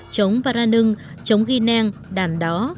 chống vara nưng chống ghi nang đàn đó